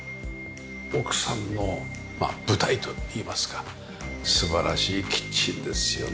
奥さんのまあ舞台といいますか素晴らしいキッチンですよね。